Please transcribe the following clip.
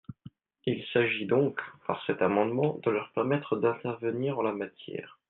Il s’agit donc, par cet amendement, de leur permettre d’intervenir en la matière.